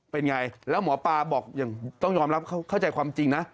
เป็นไงแล้วหมอปลาบอกอย่างต้องยอมรับเข้าใจความจริงนะ